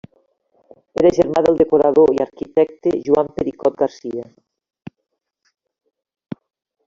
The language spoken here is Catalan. Era germà del decorador i arquitecte Joan Pericot Garcia.